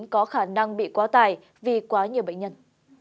có khả năng bị quá tài vì quá nhiều bệnh nhân